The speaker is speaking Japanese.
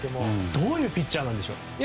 どういうピッチャーなんでしょう？